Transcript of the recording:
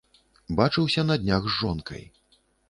Бачыўся на днях з жонкай.